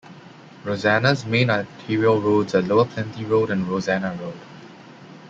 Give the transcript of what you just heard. Rosanna's main arterial roads are Lower Plenty Road and Rosanna Road.